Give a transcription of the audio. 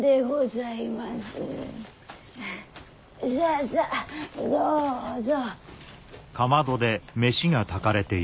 さあさあどうぞ。